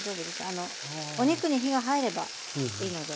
あのお肉に火が入ればいいので。